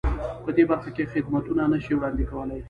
په دې برخه کې خدمتونه نه شي وړاندې کولای.